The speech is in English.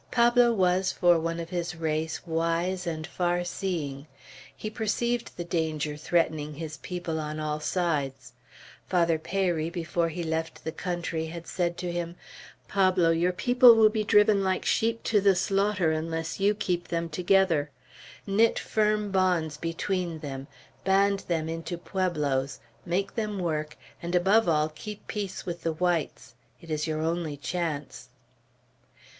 Pablo was, for one of his race, wise and far seeing. He perceived the danger threatening his people on all sides. Father Peyri, before he left the country, had said to him: "Pablo, your people will be driven like sheep to the slaughter, unless you keep them together. Knit firm bonds between them; band them into pueblos; make them work; and above all, keep peace with the whites. It is your only chance."